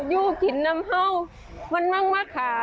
อยู่กินน้ำเห่ามันมั่งมากค่ะ